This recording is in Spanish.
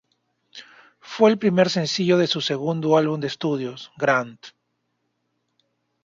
Fue el primer sencillo de su segundo álbum de estudio, "Grand".